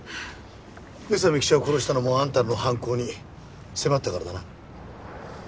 宇佐美記者を殺したのもあんたらの犯行に迫ったからだな。